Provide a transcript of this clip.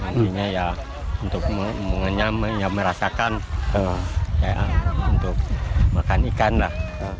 intinya ya untuk merasakan untuk makan ikan lah